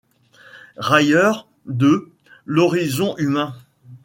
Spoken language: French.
Railleur de, l’horizon humain